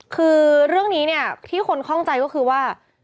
คือเรื่องนี้เนี่ยที่คนคล่องใจก็คือว่า